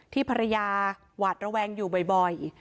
ภรรยาหวาดระแวงอยู่บ่อย